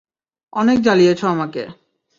অনেক জ্বলিয়েছ আমাকে।